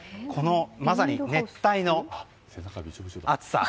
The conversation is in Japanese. まさに熱帯の暑さ。